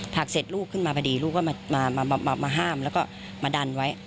เสร็จลูกขึ้นมาพอดีลูกก็มาห้ามแล้วก็มาดันไว้